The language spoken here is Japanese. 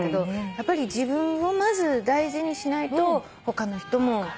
やっぱり自分をまず大事にしないと他の人も。